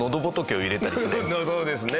そうですね